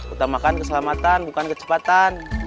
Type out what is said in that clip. utamakan keselamatan bukan kecepatan